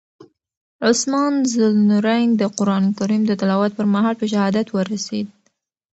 عثمان ذوالنورین د قرآن کریم د تلاوت پر مهال په شهادت ورسېد.